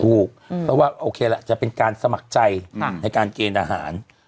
ถูกเพราะว่าโอเคละจะเป็นการสมัครใจในการเกณฑ์ทหาร